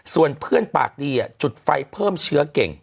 ส่วนเพื่อนปากดีจุดไฟเพิ่มเชื้อเก่ง